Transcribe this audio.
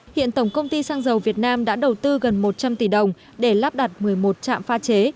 hiện tổng công ty xăng dầu việt nam đã đầu tư gần một trăm linh tỷ đồng để lắp đặt một mươi một trạm pha chế